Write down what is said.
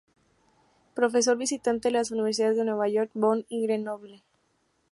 Profesor visitante de las universidades de Nueva York, Bonn y Grenoble.